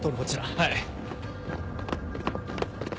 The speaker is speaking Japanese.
はい！